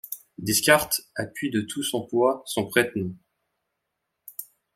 Descartes appuie de tout son poids son prête-nom.